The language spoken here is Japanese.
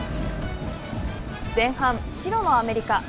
前半、白のアメリカ。